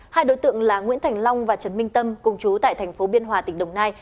hai đối tượng là nguyễn thành long và trần minh tâm cùng trú tại tp biên hòa tỉnh đồng nai